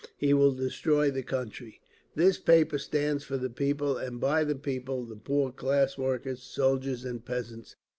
He will destroy the country…. This paper stands for the people and by the people—the poor classes, workers, soldiers and peasants.